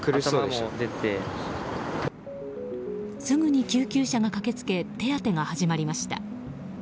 すぐに救急車が駆けつけ手当てが始まりました。